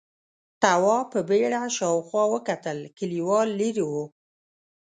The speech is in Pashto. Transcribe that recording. تواب په بيړه شاوخوا وکتل، کليوال ليرې و: